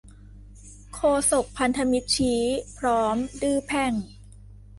โฆษกพันธมิตรชี้ พร้อมดื้อแพ่ง